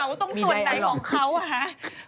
นั่งอยู่ตรงกระเป๋าตรงส่วนไหนของเขาอ่ะฮะมีอะไรอ่ะ